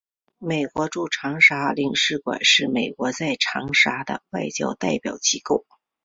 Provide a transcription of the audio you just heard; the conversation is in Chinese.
美国驻长沙领事馆是美国在长沙的外交代表机构。